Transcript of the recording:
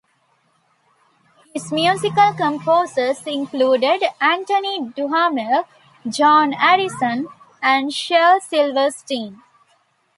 His musical composers included Antoine Duhamel, John Addison and Shel Silverstein.